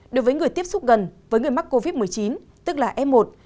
đối với người tiếp xúc gần với người mắc covid một mươi chín tức là f một